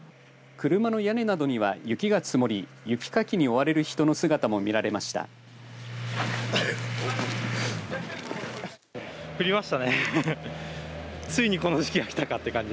車の屋根などには雪が積もり雪かきに追われる人の姿も見られました。